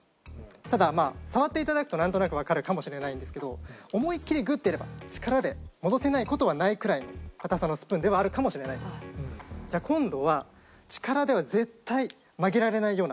ただまあ触っていただくとなんとなくわかるかもしれないんですけど思い切りグッてやれば力で戻せない事はないくらいの硬さのスプーンではあるかもしれないです。じゃあ今度は左手を出していただいていいですか？